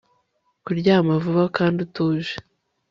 kuryama vuba kandi utuje